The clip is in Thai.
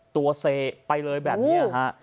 ตัวเซะไปเลยแบบนี้ฮะ